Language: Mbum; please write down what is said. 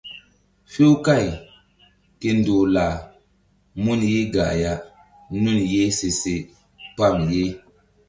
Few káy ke ndoh lah mun ye gah ya nun ye se se pam ye.